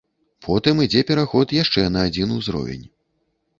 Потым ідзе пераход яшчэ на адзін узровень.